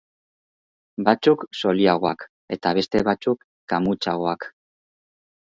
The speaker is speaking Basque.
Batzuk zoliagoak eta beste batzuk kamutsagoak.